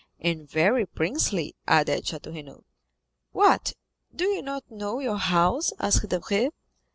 "And very princely," added Château Renaud. "What, do you not know your house?" asked Debray.